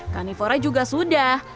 kanivora juga sudah